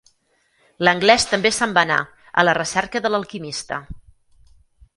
L'Anglès també se'n va anar, a la recerca de l'Alquimista.